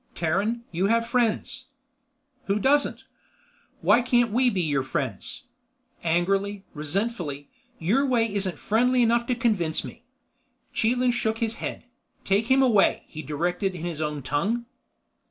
"Terran, you have friends." "Who doesn't?" "Why can't we be your friends?" Angrily, resentfully, "Your way isn't friendly enough to convince me." Chelan shook his head. "Take him away," he directed in his own tongue.